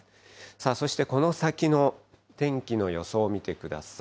そして、この先の天気の予想を見てください。